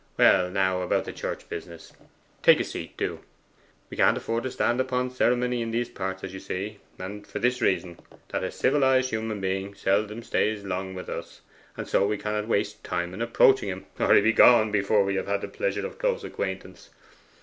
Well, now about the church business. Take a seat, do. We can't afford to stand upon ceremony in these parts as you see, and for this reason, that a civilized human being seldom stays long with us; and so we cannot waste time in approaching him, or he will be gone before we have had the pleasure of close acquaintance.